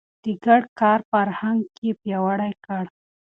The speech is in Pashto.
د ګډ کار فرهنګ يې پياوړی کړ.